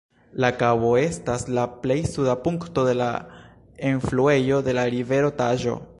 La kabo estas la plej suda punkto de la enfluejo de la rivero Taĵo.